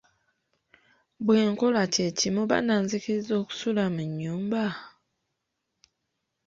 Bwenkola kyekimu banaanzikiriza okusula mu nyumba?